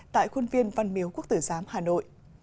tại khuôn viên văn miếu quốc tử giám hà nội